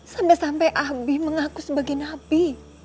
sampai sampai abi mengaku sebagai nabi